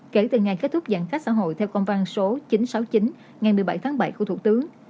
kể từ ngày kết thúc giãn cách xã hội theo công văn số chín trăm sáu mươi chín ngày một mươi bảy tháng bảy của thủ tướng